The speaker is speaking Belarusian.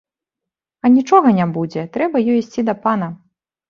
Анічога не будзе, трэба ёй ісці да пана.